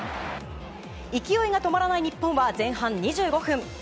勢いが止まらない日本は前半２５分。